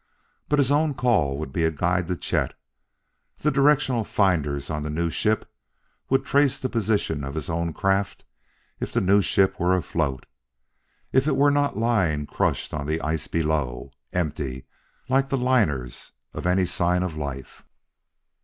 But his own call would be a guide to Chet; the directional finders on the new ship would trace the position of his own craft if the new ship were afloat if it were not lying crushed on the ice below, empty, like the liners, of any sign of life.